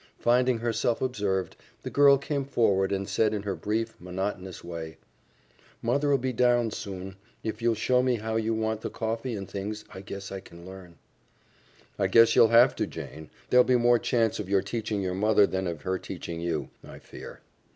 Finding herself observed, the girl came forward and said in her brief monotonous way: "Mother'll be down soon. If you'll show me how you want the coffee and things, I guess I can learn." "I guess you'll have to, Jane. There'll be more chance of your teaching your mother than of her teaching you, I fear.